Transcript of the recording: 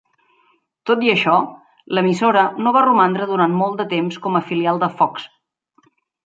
Tot i això, l'emissora no va romandre durant molt de temps com a filial de Fox.